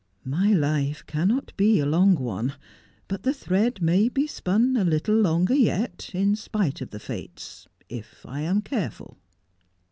My life cannot be a long one ; but the thread may be spun a little longer yet, in spite of the Fates, if I am careful.'